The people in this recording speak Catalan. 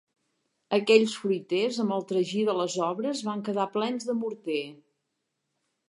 Aquells fruiters amb el tragí de les obres, van quedar plens de morter